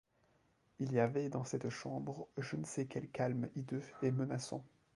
Il y avait dans cette chambre je ne sais quel calme hideux et menaçant.